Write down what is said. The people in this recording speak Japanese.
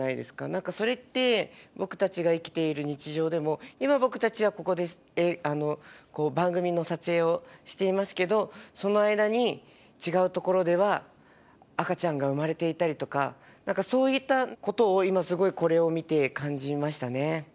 何かそれって僕たちが生きている日常でも今僕たちはここでこう番組の撮影をしていますけどその間に違う所では赤ちゃんが産まれていたりとか何かそういったことを今すごいこれを見て感じましたね。